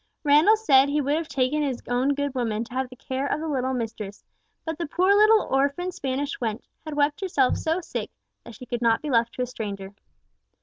Randall said he would have taken his own good woman to have the care of the little mistress, but that the poor little orphan Spanish wench had wept herself so sick, that she could not be left to a stranger.